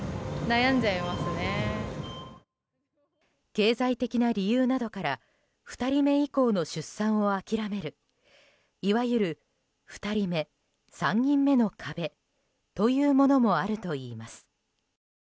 経済的な理由などから２人目以降の出産を諦めるいわゆる２人目３人目の壁というものもあるといいます。